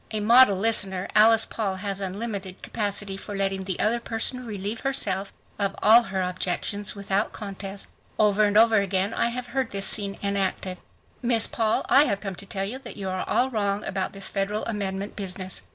A model listener, Alice Paul has unlimited capacity for letting the other person relieve herself of all her objections without contest. Over and over again I have heard this scene enacted. "Miss Paul, I have come to tell you that you are all wrong about this federal amendment business.